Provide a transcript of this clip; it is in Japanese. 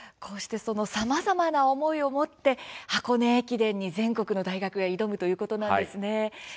さまざまな思いを持って箱根駅伝に全国の大学が挑むということなんですね。